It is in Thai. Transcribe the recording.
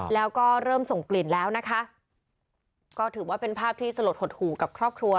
แล้วก็เริ่มส่งกลิ่นแล้วนะคะก็ถือว่าเป็นภาพที่สลดหดหู่กับครอบครัว